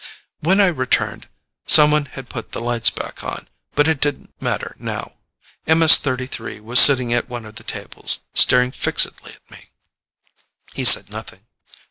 When I returned, someone had put the lights back on, but it didn't matter now. MS 33 was sitting at one of the tables, staring fixedly at me. He said nothing.